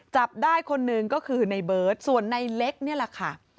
จับได้คนหนึ่งก็คือในเบิร์ตส่วนในเล็กนี่แหละค่ะ